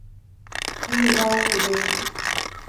هیلې باید پوره شي